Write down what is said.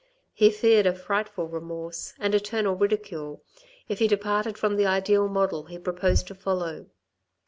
He feared a frightful remorse, and eternal ridicule, if he de parted from the ideal model he proposed to follow.